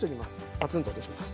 パツンと落とします。